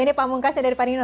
ini pamungkasnya dari pak nino